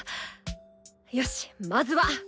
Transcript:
よしまずは。